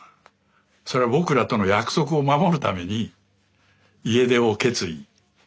それは僕らとの約束を守るために家出を決意するんですけどね。